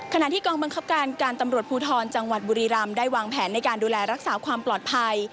ที่กองบังคับการการตำรวจภูทรจังหวัดบุรีรำได้วางแผนในการดูแลรักษาความปลอดภัย